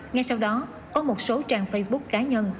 ngay sau đó có một số trang facebook cá nhân